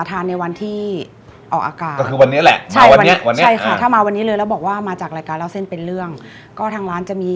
ชามฟรีค่ะให้ฟรีเลยเหรอค่ะไม่เกี่ยวกับยอดยอดยอดซื้อหรืออะไร